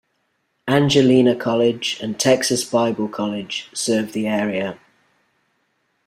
Angelina College and Texas Bible College serve the area.